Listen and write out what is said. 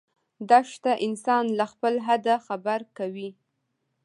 دښته انسان له خپل حده خبر کوي.